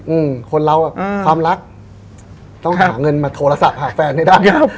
อืมคนเราอ่ะอืมความรักต้องหาเงินมาโทรศัพท์หาแฟนให้ได้